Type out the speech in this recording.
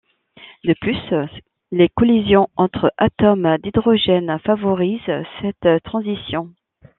De plus, les collisions entre atomes d'hydrogène favorisent cette transition.